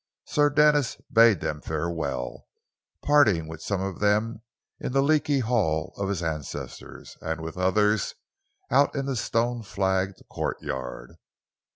Sir Denis bade them farewell, parting with some of them in the leaky hall of his ancestors, and with others out in the stone flagged courtyard.